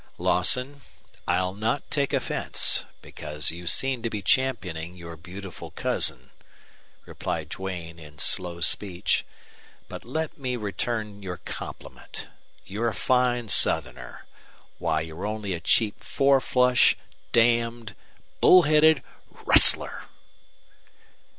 "Lawson, I'll not take offense, because you seem to be championing your beautiful cousin," replied Duane, in slow speech. "But let me return your compliment. You're a fine Southerner! Why, you're only a cheap four flush damned, bull headed RUSTLER!"